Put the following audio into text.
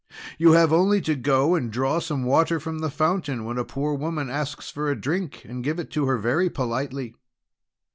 You have only to go and draw some water from the fountain, and when a poor woman asks for a drink to give it to her very politely."